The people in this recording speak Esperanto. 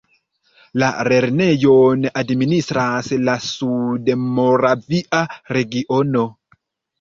La lernejon administras la Sudmoravia regiono.